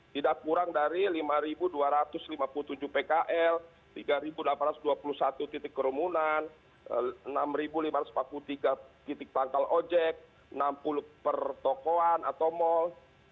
tidak kurang dari lima dua ratus lima puluh tujuh pkl tiga delapan ratus dua puluh satu titik kerumunan enam lima ratus empat puluh tiga titik pangkal ojek enam puluh pertokoan atau mal